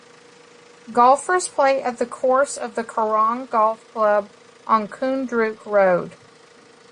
Golfers play at the course of the Kerang Golf Club on Koondrook Road.